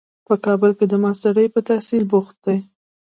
په کابل کې د ماسټرۍ په تحصیل بوخت دی.